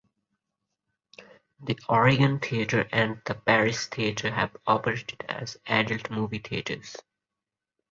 The Oregon Theatre and the Paris Theatre have operated as adult movie theaters.